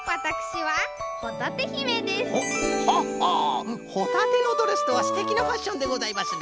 ホタテのドレスとはすてきなファッションでございますな。